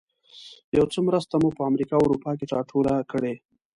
یو څه مرسته مو په امریکا او اروپا کې راټوله کړې.